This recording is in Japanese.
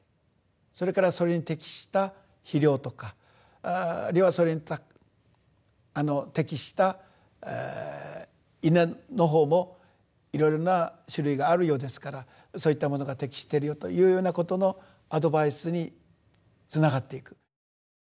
それからそれに適した肥料とかあるいはそれに適した稲の方もいろいろな種類があるようですからそういったものが適してるよというようなことのアドバイスにつながっていく。